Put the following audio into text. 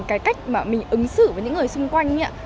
cái cách mà mình ứng xử với những người xung quanh ấy ạ